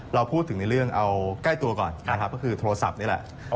เราพูดถึงในเรื่องเอาใกล้ตัวก่อนนะครับก็คือโทรศัพท์นี่แหละ